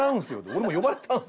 俺も呼ばれたんですよ」